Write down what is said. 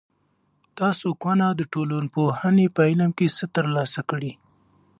تاسو کونه د ټولنپوهنې په علم کې څه تر لاسه کړي؟